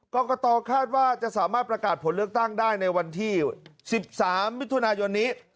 กรกตคาดว่าจะสามารถประกาศผลเลือกตั้งได้ในวันที่๑๓มิถุนายนนี้